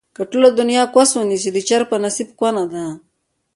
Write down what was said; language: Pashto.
که ټوله دنياکوس ونسي ، د چرگ په نصيب کونه ده